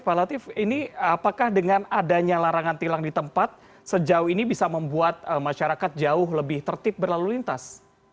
pak latif ini apakah dengan adanya larangan tilang di tempat sejauh ini bisa membuat masyarakat jauh lebih tertib berlalu lintas